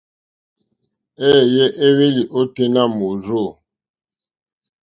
Éèyé éhwélì ôténá mòrzô.